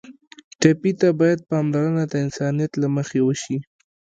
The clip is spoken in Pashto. ټپي ته باید پاملرنه د انسانیت له مخې وشي.